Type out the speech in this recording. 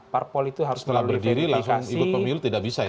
setelah berdiri lah ikut pemilu tidak bisa ya